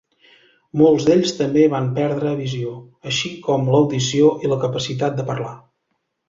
Molts d'ells també van perdre visió, així com l'audició i la capacitat de parlar.